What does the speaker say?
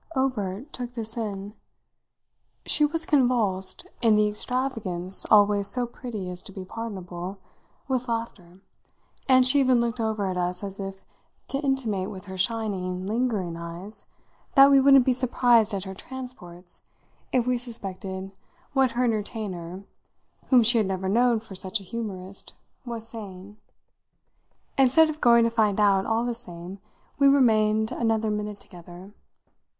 Obert took this in; she was convulsed, in the extravagance always so pretty as to be pardonable, with laughter, and she even looked over at us as if to intimate with her shining, lingering eyes that we wouldn't be surprised at her transports if we suspected what her entertainer, whom she had never known for such a humourist, was saying. Instead of going to find out, all the same, we remained another minute together.